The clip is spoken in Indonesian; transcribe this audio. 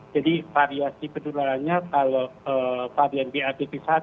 jadi variasi penularannya kalau varian br satu